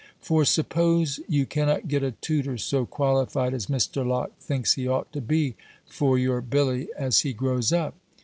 For suppose you cannot get a tutor so qualified as Mr. Locke thinks he ought to be, for your Billy as he grows up.